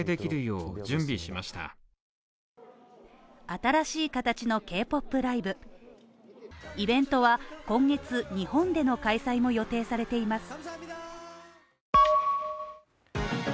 新しい形のＫ−ＰＯＰライブ、イベントは今月日本での開催も予定されています。